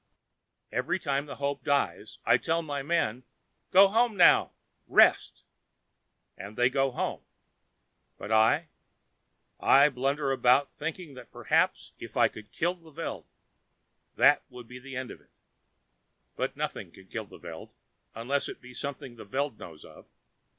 Each time the hope dies, I tell my men: "Go home, now. Rest." And they go home. But I? I blunder about, thinking that perhaps if I could kill the Veld, that would be an end to it. But nothing can kill the Veld, unless it be something the Veld knows of.